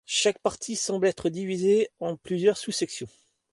Chaque partie semblant être divisée en plusieurs sous-sections.